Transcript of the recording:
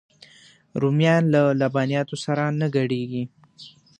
رومیان له لبنیاتو سره نه ګډېږي